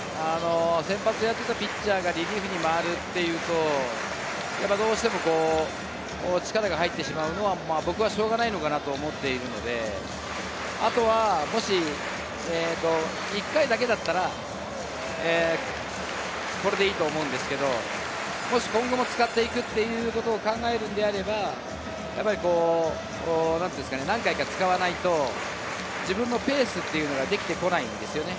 先発のピッチャーがリリーフに回るというとどうしても力が入ってしまうのは僕はしょうがないかなと思っているので、１回だけだったらこれでいいと思うんですけれど、今後も使っていくということを考えるのであれば、何回か使わないと自分のペースができてこないんですよね。